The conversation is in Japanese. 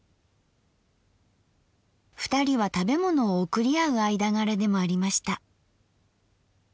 ２人は食べ物をおくり合う間柄でもありました。